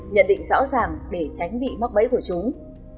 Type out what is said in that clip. nhận định rõ ràng để tránh bị mắc bẫy của chúng